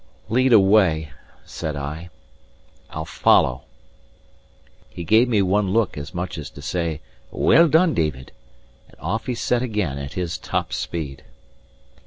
"Lead away!" said I. "I'll follow." He gave me one look as much as to say, "Well done, David!" and off he set again at his top speed.